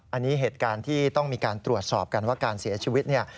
อันนี้เหตุการณ์ที่ต้องมีการตรวจสอบกันว่าการเสียชีวิตเนี่ย